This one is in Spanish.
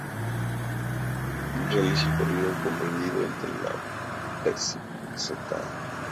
Realiza el recorrido comprendido entre la Pza.